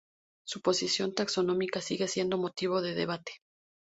Su posición taxonómica sigue siendo motivo de debate.